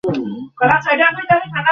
সে-ও সবকিছু হারিয়েছে।